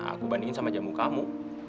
aku bandingin sama jamu kamu